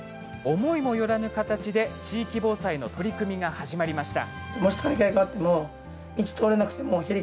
思いもよらぬ形で地域防災の取り組みが始まりました。